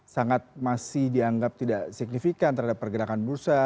sangat masih dianggap tidak signifikan terhadap pergerakan bursa